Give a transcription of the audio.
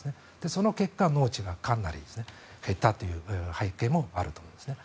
その結果、農地がかなり減ったという背景もあると思うんですね。